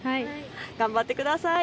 頑張ってください。